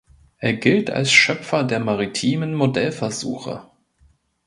Er gilt als Schöpfer der maritimen Modellversuche.